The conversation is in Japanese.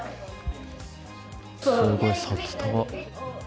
すごい札束。